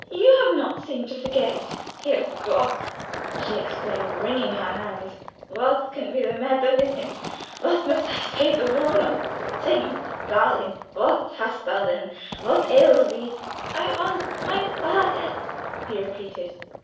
You do not seem to forget." "Herrgott!" she exclaimed, wringing her hands. "What can be the matter with him? What must I say to Bruno? Sigmund darling, what hast thou then! What ails thee?" "I want my father!" he repeated.